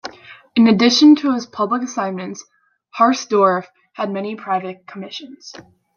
In addition to his public assignments Harsdorff had many private commissions.